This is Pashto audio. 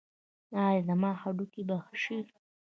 ایا زما هډوکي به ښه شي؟